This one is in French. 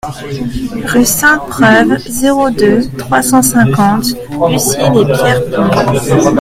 Rue Sainte-Preuve, zéro deux, trois cent cinquante Bucy-lès-Pierrepont